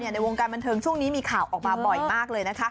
ในวงการบันเทิงช่วงนี้มีข่าวออกมาบ่อยมากเลย